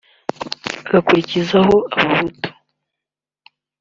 agakurikizaho abahutu